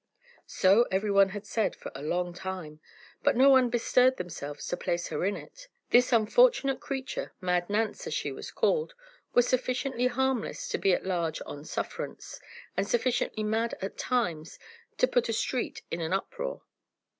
So every one had said for a long time, but no one bestirred themselves to place her in it. This unfortunate creature, Mad Nance, as she was called, was sufficiently harmless to be at large on sufferance, and sufficiently mad at times to put a street in an uproar.